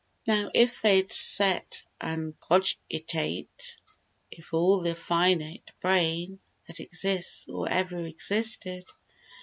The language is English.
Now if they'd set an' cogitate: If all the finite brain That exists, or e'er existed.